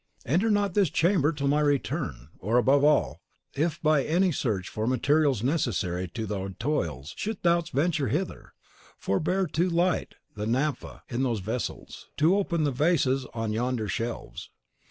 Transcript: "Enter not this chamber till my return; or, above all, if by any search for materials necessary to thy toils thou shouldst venture hither, forbear to light the naphtha in those vessels, and to open the vases on yonder shelves.